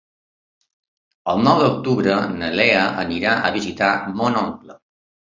El nou d'octubre na Lea anirà a visitar mon oncle.